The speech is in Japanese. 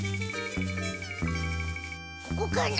ここかな？